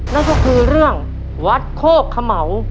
นั่นก็คือเรื่องวัดโคกเขม่า